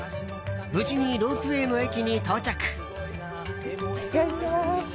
無事にロープウェーの駅に到着。